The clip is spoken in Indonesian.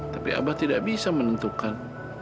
tapi abah tidak bisa menentukan